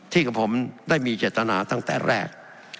กับผมได้มีเจตนาตั้งแต่แรก